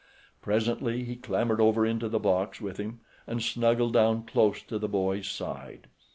Presently he clambered over into the box with him and snuggled down close to the boy's side.